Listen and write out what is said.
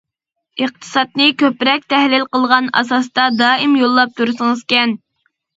ئىقتىسادنى كۆپرەك تەھلىل قىلغان ئاساستا دائىم يوللاپ تۇرسىڭىزكەن!